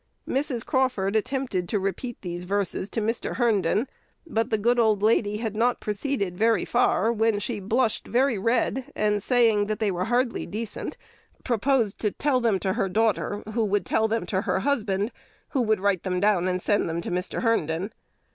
Mrs. Crawford attempted to repeat these verses to Mr. Herndon; but the good old lady had not proceeded far, when she blushed very red, and, saying that they were hardly decent, proposed to tell them to her daughter, who would tell them to her husband, who would write them down and send them to Mr. Herndon.